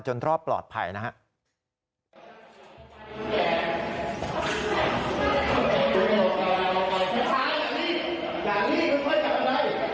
จนทรอบปลอดภัยนะครับ